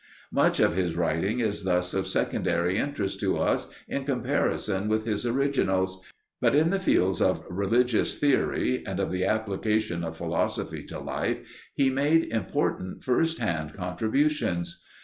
Much of this writing is thus of secondary interest to us in comparison with his originals, but in the fields of religious theory and of the application of philosophy to life he made important first hand contributions.